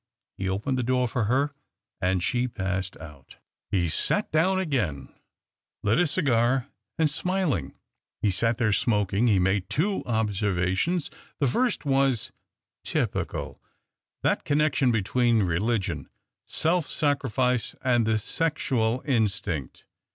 He opened the door for her, and she passed out. THE OCTAVE OF CLAUDIUS. 255 He sat clown aojain, lit a cio'ar, and smilino 1 he sat there, smoking, he made two obser itions. The first was —" Typical — that connection between religion, slf sacrifice, and the sexual instinct